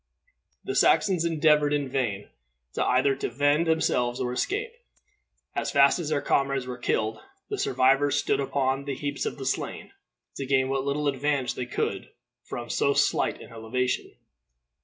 The Saxons endeavored in vain either to defend themselves or escape. As fast as their comrades were killed, the survivors stood upon the heaps of the slain, to gain what little advantage they could from so slight an elevation.